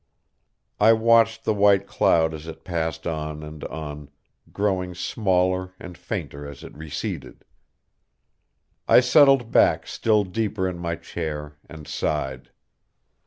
I watched the white cloud as it passed on and on, growing smaller and fainter as it receded. I settled back still deeper in my chair and sighed.